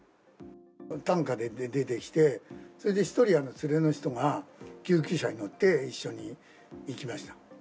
担架で出てきて、それで１人、連れの人が救急車に乗って一緒に行きました。